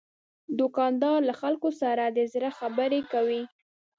دوکاندار له خلکو سره د زړه خبرې کوي.